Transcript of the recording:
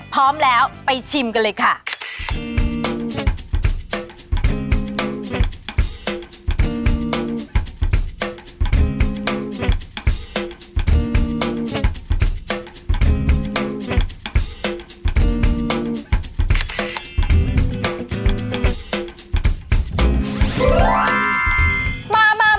พร้อมแล้วไปชิมกันเลยค่ะ